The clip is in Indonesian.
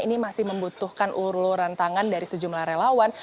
ini masih membutuhkan uluran tangan dari sejumlah relawan